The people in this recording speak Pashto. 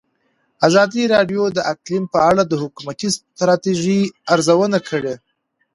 ازادي راډیو د اقلیم په اړه د حکومتي ستراتیژۍ ارزونه کړې.